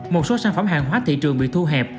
một số sản phẩm hàng hóa thị trường bị thu hẹp